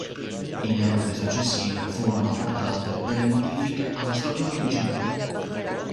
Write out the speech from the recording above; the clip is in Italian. In epoche successive furono apportate delle modifiche alla struttura originaria.